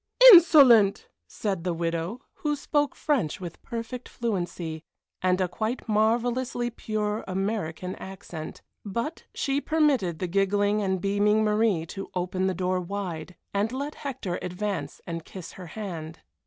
"Insolent!" said the widow, who spoke French with perfect fluency and a quite marvellously pure American accent. But she permitted the giggling and beaming Marie to open the door wide, and let Hector advance and kiss her hand.